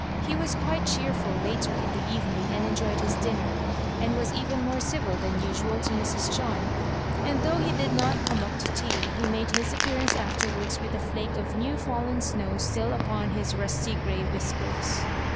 He was quite cheerful later in the evening, and enjoyed his dinner, and was even more civil than usual to Mrs. John. And though he did not come up to tea, he made his appearance aft; erwards with a flake of new fallen snow still upon his rusty grey whiskers.